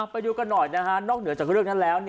ไปดูกันหน่อยนะฮะนอกเหนือจากเรื่องนั้นแล้ว